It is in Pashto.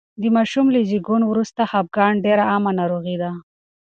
د ماشوم له زېږون وروسته خپګان ډېره عامه ناروغي ده.